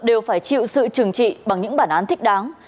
đều phải chịu sự trừng trị bằng những bản án thích đáng